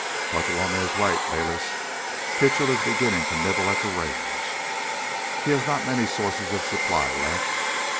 "Bartolomé is right, Bayliss. Kitchell is beginning to nibble at the Range. He has not many sources of supply left.